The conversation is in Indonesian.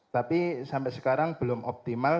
tapi sampai sekarang belum optimal